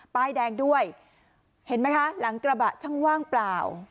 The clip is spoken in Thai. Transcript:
ป้ายแดงด้วยเห็นไหมคะหลังกระบะช่างว่างเปล่า